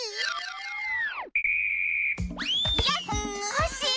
コッシー！